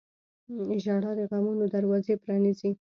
• ژړا د غمونو دروازه پرانیزي.